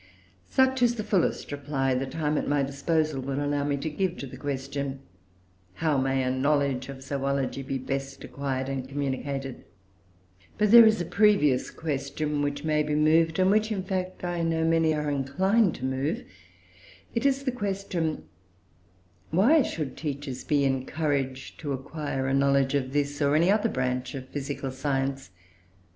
Such is the fullest reply the time at my disposal will allow me to give to the question how may a knowledge of zoology be best acquired and communicated? But there is a previous question which may be moved, and which, in fact, I know many are inclined to move. It is the question, why should teachers be encouraged to acquire a knowledge of this, or any other branch of physical science?